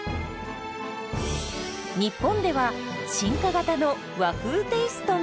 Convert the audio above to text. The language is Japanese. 日本では進化型の和風テイストも！